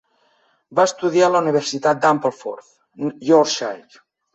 Va estudiar a la universitat d'Ampleforth, Yorkshire.